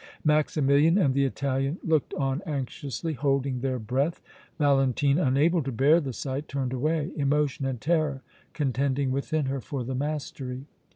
Maximilian and the Italian looked on anxiously, holding their breath. Valentine unable to bear the sight turned away, emotion and terror contending within her for the mastery.